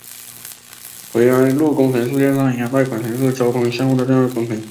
槐安路工程是世界银行贷款城市交通项目的重点工程。